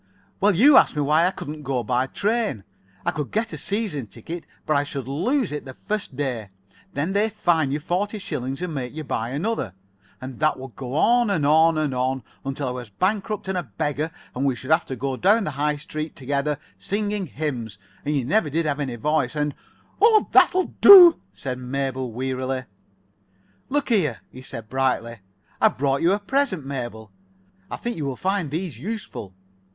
"Well, you asked me why I couldn't go by train. I could get a season ticket, but I should lose it the first day. Then they fine you forty shillings, and make you buy another. And that would go on, and on, and on until I was bankrupt and a beggar. And we should have to go down the High Street together, singing [Pg 54]hymns. And you never did have any voice, and——" "Oh, that'll do," said Mabel, wearily. "Look here," he said, brightly, "I've brought you a present, Mabel. I think you will find these useful."